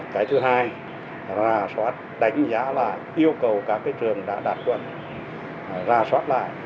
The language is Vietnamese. cái thứ hai ra soát đánh giá là yêu cầu các cái trường đã đạt chuẩn ra soát lại